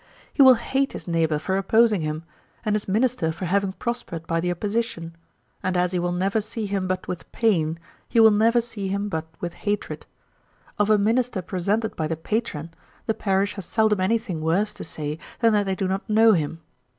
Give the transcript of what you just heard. He will hate his neighbour for opposing him, and his minister for having prospered by the opposition; and as he will never see him but with pain, he will never see him but with hatred. Of a minister presented by the patron, the parish has seldom any thing worse to say than that they do not know him.